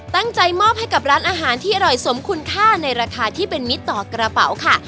ตั้งใจมอบให้กับร้านอาหารที่อร่อยสมคุณค่าในราคาที่เป็นมิตรต่อกระเป๋าค่ะ